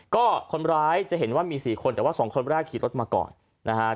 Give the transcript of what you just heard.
ก็คนร้ายจะเห็นว่ามี๔คนแต่ว่าสองคนแรกขี่รถมาก่อนนะฮะ